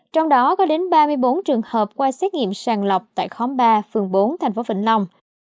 trong đó có đến ba mươi bốn trường hợp qua xét nghiệm sàng lọc tại khóm ba phường bốn thành phố vĩnh long